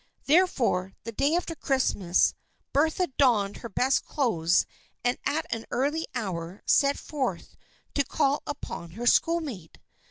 Therefore, the day after Christmas, Bertha THE FRIENDSHIP OF ANNE 193 donned her best clothes and at an early hour set forth to call upon her schoolmate.